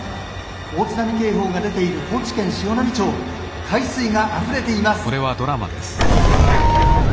大津波警報が出ている高知県潮波町海水があふれています」。